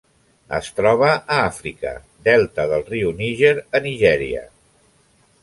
Es troba a Àfrica: delta del riu Níger a Nigèria.